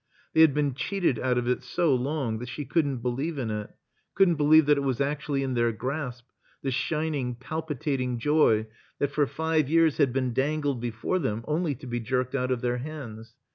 They had been cheated out of it so long that she couldn't believe in it, couldn't believe that it was actually in their grasp, the shining, palpitating joy that for five years had been dangled before them only to be jerked out of their hands.